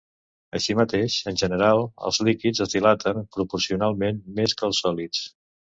Així mateix, en general, els líquids es dilaten proporcionalment més que els sòlids.